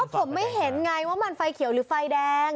ผมไม่เห็นไงว่ามันไฟเขียวหรือไฟแดง